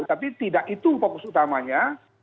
tapi tidak itu fokus utamanya